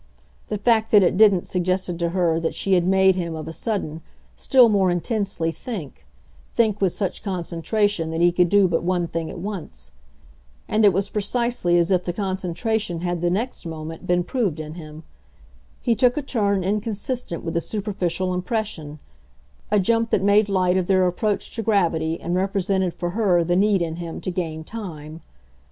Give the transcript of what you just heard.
The fact that it didn't suggested to her that she had made him, of a sudden, still more intensely think, think with such concentration that he could do but one thing at once. And it was precisely as if the concentration had the next moment been proved in him. He took a turn inconsistent with the superficial impression a jump that made light of their approach to gravity and represented for her the need in him to gain time.